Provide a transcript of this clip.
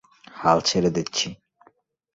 হাল ছেড়ে দিচ্ছি।